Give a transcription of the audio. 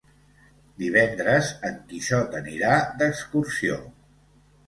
Divendres en Quixot anirà d'excursió.